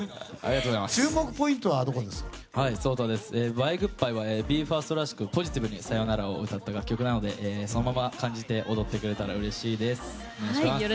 「Ｂｙｅ‐Ｇｏｏｄ‐Ｂｙｅ」はＢＥ：ＦＩＲＳＴらしくポジティブにさようならを歌った曲なのでそのまま感じて踊ってくれたらうれしいです。